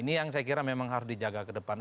ini yang saya kira memang harus dijaga ke depan